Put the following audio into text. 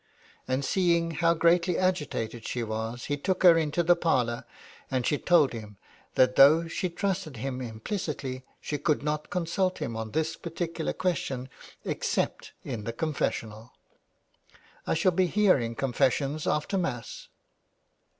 And seeing how greatly agitated she was, he took her into the parlour, and she told him that though she trusted him implicitly she could not consult him on this particular question except in the confessional. '' I shall be hearing confessions after Mass."